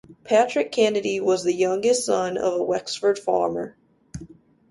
Patrick Kennedy was the youngest son of a Wexford farmer.